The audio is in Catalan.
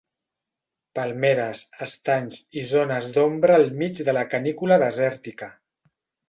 Palmeres, estanys i zones d'ombra al mig de la canícula desèrtica.